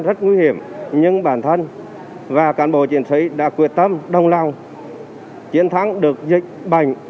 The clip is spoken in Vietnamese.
rất nguy hiểm nhưng bản thân và cán bộ chiến sĩ đã quyết tâm đồng lòng chiến thắng được dịch bệnh